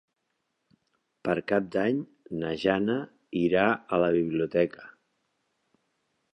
Per Cap d'Any na Jana irà a la biblioteca.